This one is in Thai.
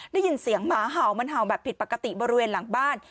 ได้ยินเสียงหมาเห่ามันเห่าแบบผิดปกติบริเวณหลังบ้าน